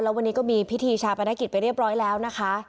แล้ววันนี้ก็มีพิธีชาปนกิจไปเรียบร้อยแล้วนะคะ